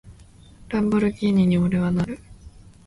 ランボルギーニに、俺はなる！